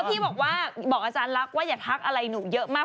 พี่บอกว่าบอกอาจารย์ลักษณ์ว่าอย่าทักอะไรหนูเยอะมาก